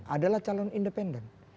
adalah calon independen